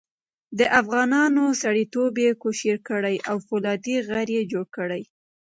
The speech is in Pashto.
د افغانانو سړیتوب یې کوشیر کړی او فولادي غر یې جوړ کړی.